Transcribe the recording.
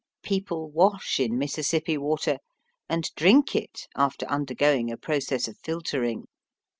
People wash in Mississippi water and drink it after undergoing a process of filtering.